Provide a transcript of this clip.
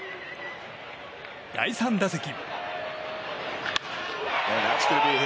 第３打席。